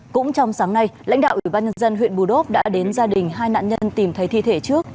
cũng trong sáng nay lãnh đạo ủy ban nhân dân huyện bù đốp đã đến gia đình hai nạn nhân tìm thấy thi thể trước